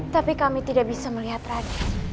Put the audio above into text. tapi kami tidak bisa melihat lagi